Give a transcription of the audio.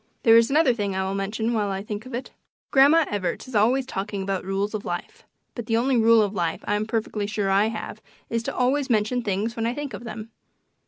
There is another thing I will mention while I think of it. Grandma Evarts is always talking about "rules of life," but the only rule of life I'm perfectly sure I have is to always mention things when I think of them.